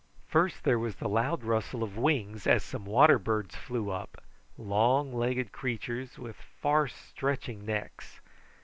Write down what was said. First there was the loud rustle of wings as some water birds flew up, long legged creatures with far stretching necks.